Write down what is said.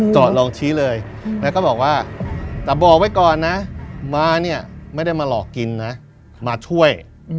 จอดลองชี้เลยแล้วก็บอกว่าแต่บอกไว้ก่อนนะมาเนี่ยไม่ได้มาหลอกกินนะมาช่วย